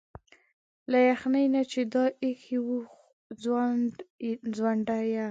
له يخني نه چي دي ا يښي وو ځونډ يه